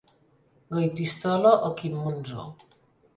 Goytisolo o Quim Monzó.